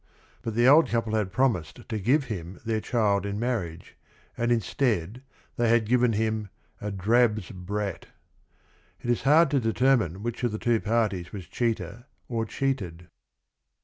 But the old couple had promised to give him their child in marriage, and instead, they had given him "a drab's brat." It is hard to determine which of the two parties was ch eater or cheated.